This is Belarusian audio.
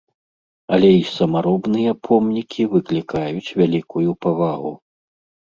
Але і самаробныя помнікі выклікаюць вялікую павагу.